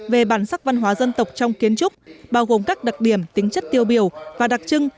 về bản sắc văn hóa dân tộc trong kiến trúc bao gồm các đặc điểm tính chất tiêu biểu và đặc trưng